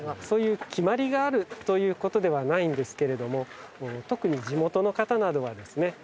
そういう決まりがあるということではないんですけれども特に地元の方などはですね